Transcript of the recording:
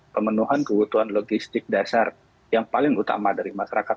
pemenuhan kebutuhan logistik dasar yang paling utama dari masyarakat